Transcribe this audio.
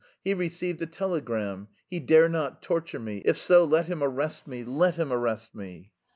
He received a telegram. He dare not torture me; if so, let him arrest me, let him arrest me!"